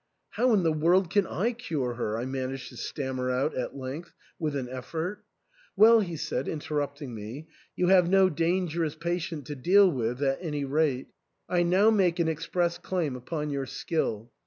"How in the world can I cure her ?" I managed to stammer out at length with an effort. "Well," he said, interrupting me, " you have no dangerous patient to deal with at any rate. I now make an express claim upon your skill.